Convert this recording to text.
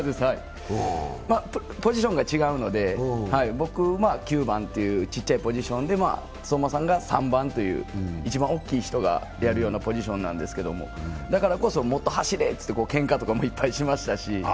ま、ポジションが違うので、僕は９番というちっちゃいポジションで、相馬さんが３番という一番大きい人がやるようなポジションなんですけどだからこそもっと走れとけんかとかもいっぱいしましたし。